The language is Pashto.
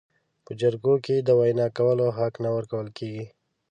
په جرګو کې د وینا کولو حق نه ورکول کیږي.